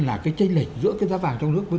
là cái tranh lệch giữa cái giá vàng trong nước với